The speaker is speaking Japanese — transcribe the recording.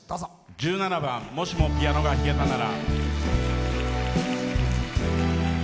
１７番「もしもピアノが弾けたなら」。